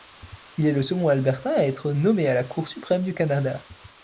Il est le second Albertain à être nommé à la Cour suprême du Canada.